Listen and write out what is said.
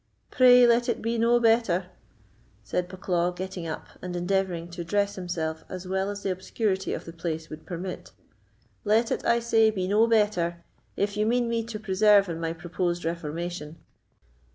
"Pray, let it be no better," said Bucklaw, getting up, and endeavouring to dress himself as well as the obscurity of the place would permit—"let it, I say, be no better, if you mean me to preserve in my proposed reformation.